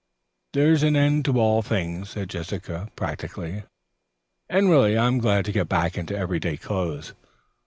"There's an end to all things," said Jessica practically, "and really I'm glad to get back into everyday clothes."